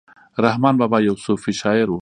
رحمان بابا یو صوفي شاعر ؤ